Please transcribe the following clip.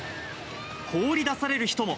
放り出される人も。